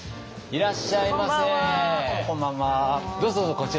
いらっしゃいませ。